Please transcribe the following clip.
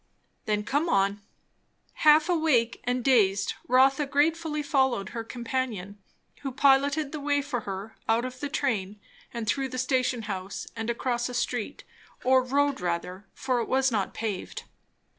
"Then come on." Half awake, and dazed, Rotha gratefully followed her companion; who piloted the way for her out of the train and through the station house and across a street, or road rather, for it was not paved.